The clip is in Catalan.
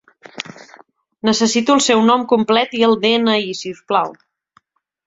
Necessito el seu nom complet i el de-ena-i, si us plau.